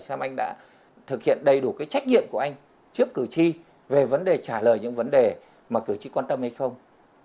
xem anh đã thực hiện đầy đủ cái trách nhiệm của anh trước cử tri về vấn đề trả lời những vấn đề mà cử tri quan tâm hay không